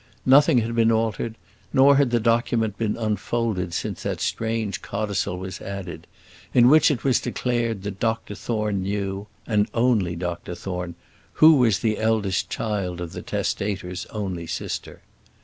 Nothing had been altered; nor had the document been unfolded since that strange codicil was added, in which it was declared that Dr Thorne knew and only Dr Thorne who was the eldest child of the testator's only sister.